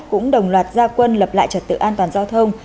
cũng đồng loạt gia quân lập lại trật tự an toàn giao thông